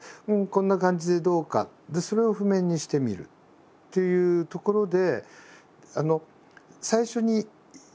でそれを譜面にしてみるっていうところで。